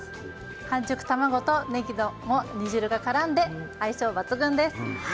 半熟卵にも煮汁がからんで相性抜群です。